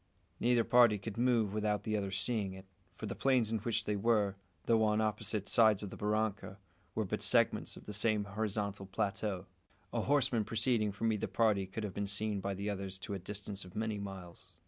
Neither party could move without the other seeing it; for the plains in which they were, though on opposite sides of the barranca, were but segments of the same horizontal plateau. A horseman proceeding from either party could have been seen by the others to a distance of many miles.